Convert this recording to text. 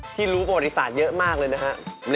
ที่รู้ประวัติศาสตร์เยอะมากเลยนะฮะ